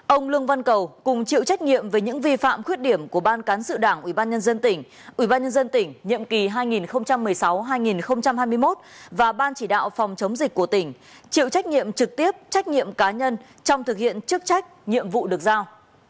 ông lương văn cầu cùng chịu trách nhiệm về những vi phạm khuyết điểm của ban cán sự đảng ubnd tỉnh ubnd tỉnh nhiệm kỳ hai nghìn một mươi sáu hai nghìn hai mươi một và ban chỉ đạo phòng chống dịch của tỉnh chịu trách nhiệm trực tiếp trách nhiệm cá nhân trong thực hiện chức trách nhiệm vụ được giao